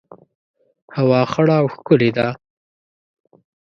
هوا خړه او ښکلي ده